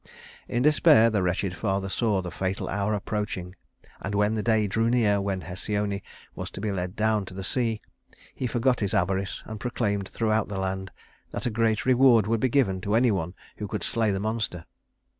In despair, the wretched father saw the fatal hour approaching; and when the day drew near when Hesione was to be led down to the sea, he forgot his avarice and proclaimed throughout the land that a great reward would be given to any one who could slay the monster.